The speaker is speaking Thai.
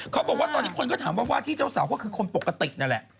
เขาบอกว่าตอนนี้คนก็ถามว่าว่าที่เจ้าสาวก็คือคนปกตินั่นแหละ